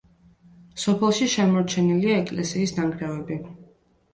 სოფელში შემორჩენილია ეკლესიის ნანგრევები.